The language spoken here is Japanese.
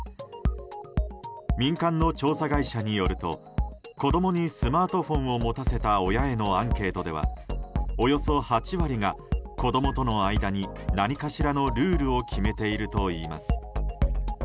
民間の調査会社によると子供にスマートフォンを持たせた親へのアンケートではおよそ８割が子供との間に何かしらのルールを決めているといいます。